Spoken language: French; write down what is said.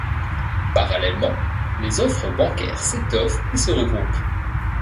Parallèlement, les offres bancaires s'étoffent et se regroupent.